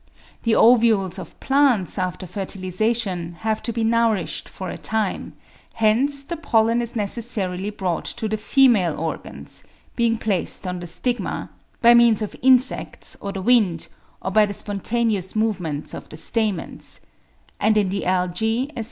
The ovules of plants after fertilisation have to be nourished for a time; hence the pollen is necessarily brought to the female organs—being placed on the stigma, by means of insects or the wind, or by the spontaneous movements of the stamens; and in the Algae, etc.